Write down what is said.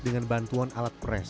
dengan bantuan alat press